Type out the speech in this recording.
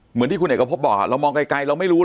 เหมือนที่คุณเอกพบบอกเรามองไกล